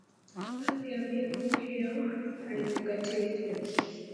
baadhi ya miiko hiyo haizingatiwi tena